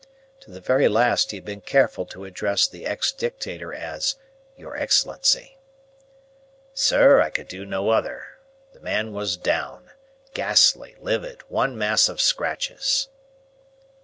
To the very last he had been careful to address the ex Dictator as "Your Excellency." "Sir, I could do no other. The man was down ghastly, livid, one mass of scratches."